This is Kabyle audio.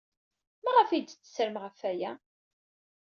Maɣef ay d-tettrem ɣef waya?